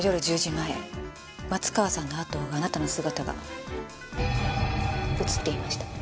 前松川さんのあとを追うあなたの姿が映っていました。